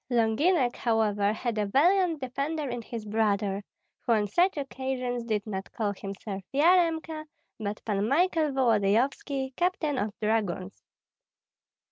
Longinek, however, had a valiant defender in his brother, who on such occasions did not call himself Yaremka, but Pan Michael Volodyovski, captain of dragoons.